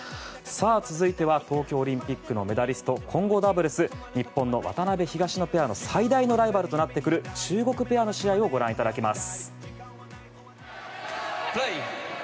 続いては東京オリンピックのメダリスト混合ダブルス日本の渡辺、東野ペアの最大のライバルとなってくる中国ペアの試合をご覧いただきます。